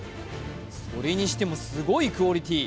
それにしてもすごいクオリティー。